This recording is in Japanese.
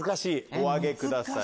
お挙げください！